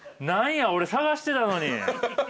何や俺探してたのに。